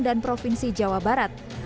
dan provinsi jawa barat